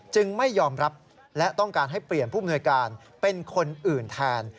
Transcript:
ไม่ยอมรับและต้องการให้เปลี่ยนผู้มนวยการเป็นคนอื่นแทน